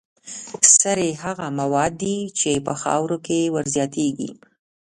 سرې هغه مواد دي چې په خاوره کې ور زیاتیږي.